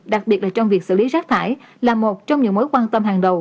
đặc biệt là trong việc xử lý rác thải là một trong những mối quan tâm hàng đầu